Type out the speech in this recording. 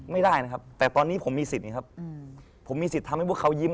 ไม่ได้นะครับแต่ตอนนี้ผมมีสิทธิ์นะครับผมมีสิทธิ์ทำให้พวกเขายิ้ม